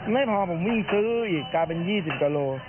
ไม่พอผมวิ่งซื้ออีกกลายเป็น๒๐กิโล